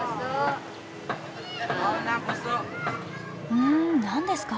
ふん何ですか？